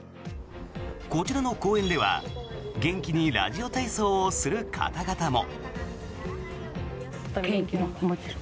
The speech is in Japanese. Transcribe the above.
こちらの公園では元気にラジオ体操をする方々も。